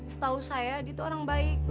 setahu saya dia tuh orang baik